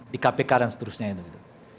di kpk dan seterusnya itu gitu